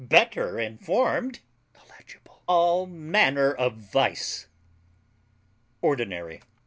better informed ..... all manner of vice ORDINARY.